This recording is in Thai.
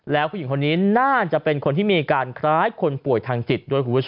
แล้วผู้หญิงคนนี้น่าจะเป็นคนที่มีการคล้ายคนป่วยทางจิต